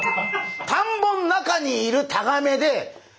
田んぼの中にいるタガメで。